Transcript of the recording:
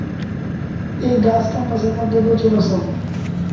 এই গাছ ক্যাম্পাসের মধ্যে প্রচুর আছে।